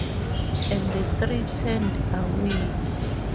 And the three turned away.